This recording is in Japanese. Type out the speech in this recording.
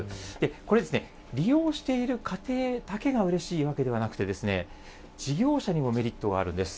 これですね、利用している家庭だけがうれしいわけではなくて、事業者にもメリットがあるんです。